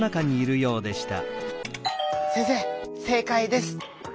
「先生正かいです！」。